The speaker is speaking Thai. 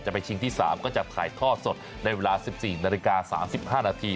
ไปชิงที่๓ก็จะถ่ายทอดสดในเวลา๑๔นาฬิกา๓๕นาที